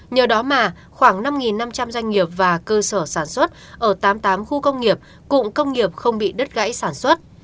nhờ đó mà khoảng năm năm trăm linh doanh nghiệp và cơ sở sản xuất ở tám mươi tám khu công nghiệp cụm công nghiệp không bị đứt gãy sản xuất